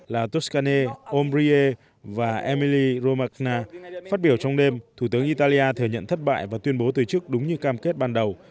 là toscane omriye và emilio romagna phát biểu trong đêm thủ tướng italia thừa nhận thất bại và tuyên bố từ chức đúng như cam kết ban đầu